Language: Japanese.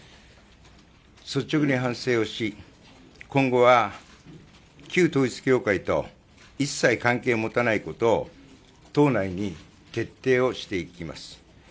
率直に反省をし、今後は旧統一教会と一切関係を持たないことを党内に徹底していきます。